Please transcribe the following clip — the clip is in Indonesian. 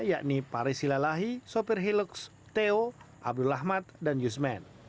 yakni paris hilalahi sopir hilux theo abdul ahmad dan yusman